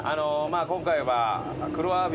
今回は。